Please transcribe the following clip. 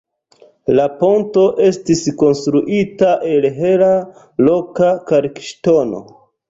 La ponto estis konstruita el hela, loka kalkŝtono.